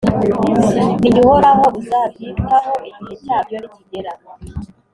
ni jye uhoraho uzabyitaho, igihe cyabyo nikigera.